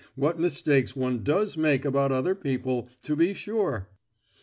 what mistakes one does make about other people, to be sure!"